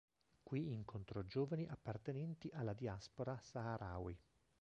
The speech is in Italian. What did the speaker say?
Qui incontrò giovani appartenenti alla diaspora Saharawi.